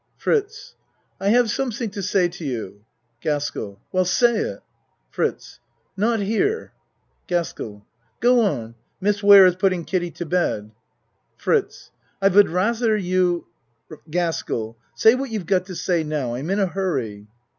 FRITZ I have something to say to you. GASKELL Well, say it. FRITZ Not here. GASKELL Go on. Miss Ware is putting Kid die to bed. FRITZ I would rather you GASKELL Say what you've got to say now. I'm in a hurry.